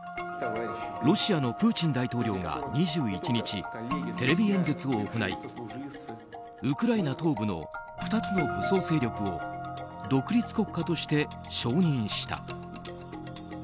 ロシアのプーチン大統領が２１日テレビ演説を行いウクライナ東部の２つの武装勢力を独立国家として承認した。